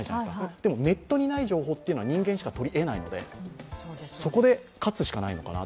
でもネットにない情報っていうのは人間しか取りえないのでそこで勝つしかないのかなと。